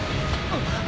あっ！